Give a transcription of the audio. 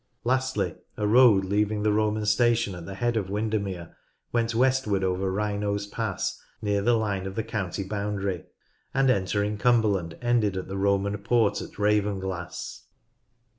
Lastly, a road leaving the Roman station at the head of Windermere went westward over Wry nose Pass near the line of the county boundary, and entering Cumberland ended at the Roman port at Ravenglass.